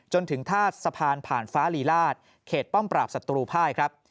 ธาตุสะพานผ่านฟ้าลีลาศเขตป้อมปราบศัตรูภายครับ